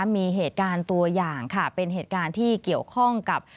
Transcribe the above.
มีเหตุการณ์ตัวอย่างค่ะเป็นเหตุการณ์ที่เกี่ยวข้องกับ